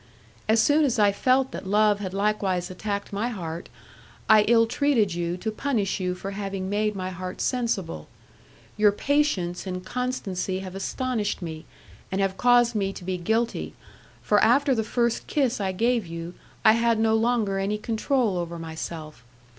As soon as I felt that love had likewise attacked my heart, I ill treated you to punish you for having made my heart sensible. Your patience and constancy have astonished me, and have caused me to be guilty, for after the first kiss I gave you I had no longer any control over myself.